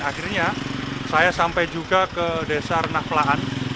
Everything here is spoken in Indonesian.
akhirnya saya sampai juga ke desa renah pelahan